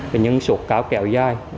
bệnh nhân sụt cao kẹo dài